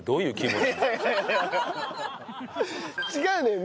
違うのよ。